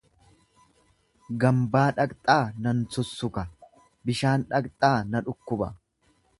Gambaa dhaqxaa nan sussuka, bishaan dhaqxaa na dhukkuba.